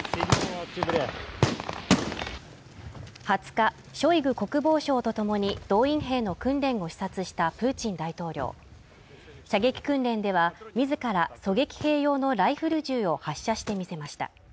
２０日ショイグ国防相とともに動員兵の訓練を視察したプーチン大統領射撃訓練では自ら狙撃兵用のライフル銃を発射してみせました